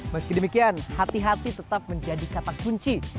meski demikian hati hati tetap menjadi kata kunci